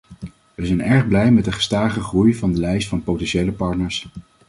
Wij zijn erg blij met de gestage groei van de lijst van potentiële partners.